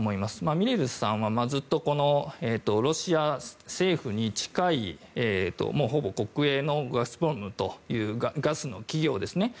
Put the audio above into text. ミレルさんはずっとロシア政府に近いもうほぼ国営のガスプロムというガスの企業ですね。